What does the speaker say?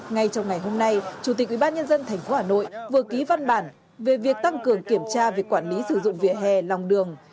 ngay trong ngày hôm nay chủ tịch ubnd tp hà nội vừa ký văn bản về việc tăng cường kiểm tra việc quản lý sử dụng vỉa hè lòng đường